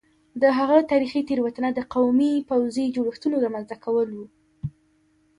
د هغه تاریخي تېروتنه د قومي پوځي جوړښتونو رامنځته کول وو